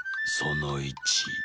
その１。